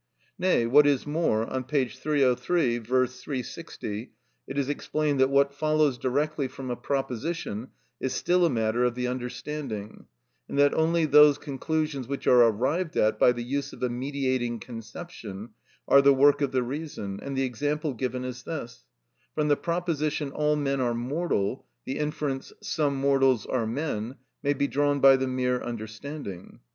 Nay, what is more, on p. 303; V. 360, it is explained that what follows directly from a proposition is still a matter of the understanding, and that only those conclusions which are arrived at by the use of a mediating conception are the work of the reason, and the example given is this: From the proposition, "All men are mortal," the inference, "Some mortals are men," may be drawn by the mere understanding.